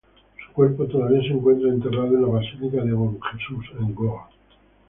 Su cuerpo todavía se encuentra enterrado en la "Basílica do Bom Jesus" en Goa.